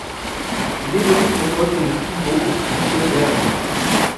Il évolue au poste de Pivot au Füchse Berlin.